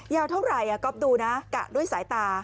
ยาวเท่าไหร่ก๊อฟดูนะกะด้วยสายตา